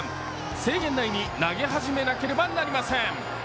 制限内に投げ始めなければなりません。